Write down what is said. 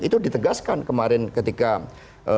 itu ditegaskan kemarin ketika ditanya media